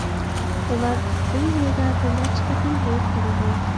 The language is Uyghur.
ئۇلار بىر يىلدا بىرنەچچە قېتىم ھېيت قىلىدۇ.